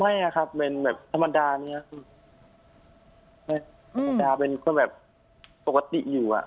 อะครับเป็นแบบธรรมดาเนี้ยไม่ธรรมดาเป็นคนแบบปกติอยู่อ่ะ